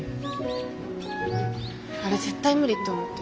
あれ絶対無理って思ってる。